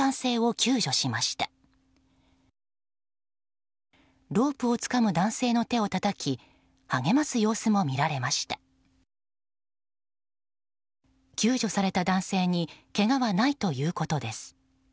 救助された男性にけがはないということです。